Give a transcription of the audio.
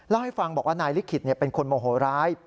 เล่าให้ฟังบอกว่านายลิขิตเป็นคนโมโหร้าย